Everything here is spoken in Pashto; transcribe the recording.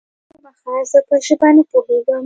وبخښه، زه په ژبه نه پوهېږم؟